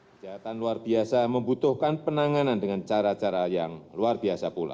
kejahatan luar biasa membutuhkan penanganan dengan cara cara yang luar biasa pula